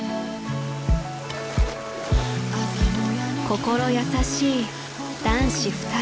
［心優しい男子２人］